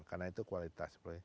karena itu kualitas